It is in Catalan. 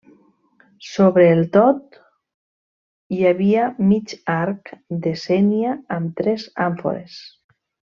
Sobre el tot, hi havia mig arc de sénia amb tres àmfores.